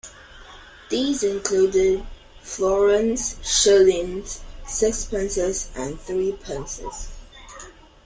These included florins, shillings, sixpences and threepences.